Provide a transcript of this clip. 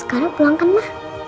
saya udah bilang ke dia